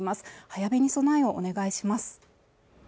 早めに備えをお願いします